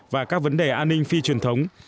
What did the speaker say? và các vấn đề an ninh phi truyền thống